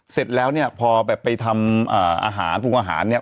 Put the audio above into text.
เสร็จแล้วเนี่ยพอแบบไปทำอาหารปรุงอาหารเนี่ย